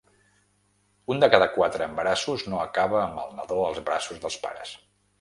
Un de cada quatre embarassos no acaba amb el nadó als braços dels pares.